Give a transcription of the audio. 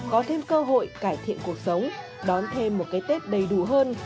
có thêm cơ hội cải thiện cuộc sống đón thêm một cái tết đầy đủ hơn